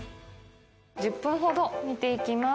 １０分ほど煮ていきます。